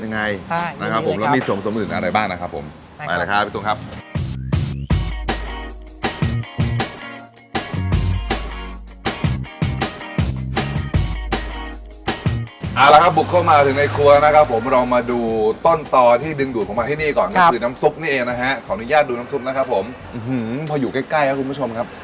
นะครับผมอื้อหือพออยู่ใกล้ใกล้ครับคุณผู้ชมครับ